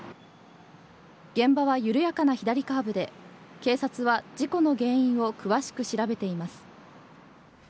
現場は緩やかな左カーブで警察は事故の原因を詳しく調べています。